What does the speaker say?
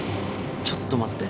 ちょっと待って。